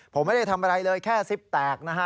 ผมไม่ได้ทำอะไรเลยแค่ซิปแตกนะฮะ